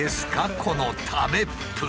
この食べっぷり！